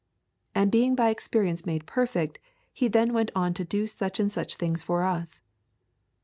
And being by experience made perfect He then went on to do such and such things for us.